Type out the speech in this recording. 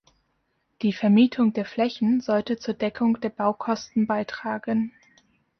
Die Vermietung der Flächen sollte zur Deckung der Baukosten beitragen.